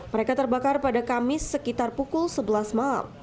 mereka terbakar pada kamis sekitar pukul sebelas malam